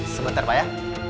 sebentar pak ya